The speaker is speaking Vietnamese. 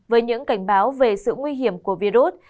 với những cảnh báo về sự nguy hiểm của virus